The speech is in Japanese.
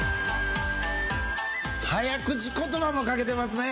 早口言葉も書けてますね。